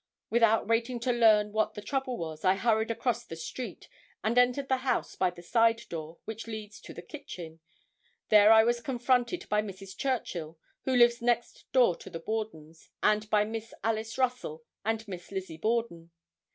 Without waiting to learn what the trouble was, I hurried across the street, and entered the house by the side door, which leads to the kitchen, there I was confronted by Mrs. Churchill, who lives next door to the Bordens, and by Miss Alice Russell and Miss Lizzie Borden.